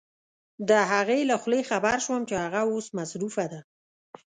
د هغې له خولې خبر شوم چې هغه اوس مصروفه ده.